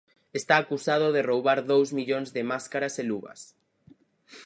Está acusado de roubar dous millóns de máscaras e luvas.